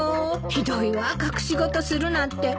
ひどいわ隠し事するなんて。